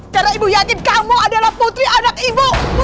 karena ibu yatim kamu adalah putri anak ibu